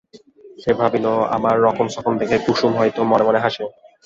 সে ভাবিল, আমার রকমসকম দেখে কুসুম হয়তো মনে মনে হাসে।